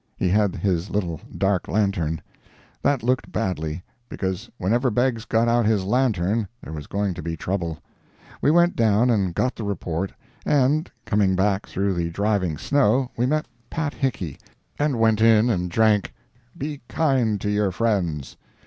He had his little dark lantern. That looked badly. Because whenever Beggs got out his lantern there was going to be trouble. We went down and got the report, and, coming back through the driving snow, we met Pat Hickey, and went in and drank "Be kind to your friends."